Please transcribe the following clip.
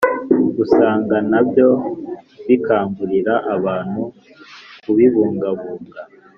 usanga na byo bikangurira abantu kubibungabunga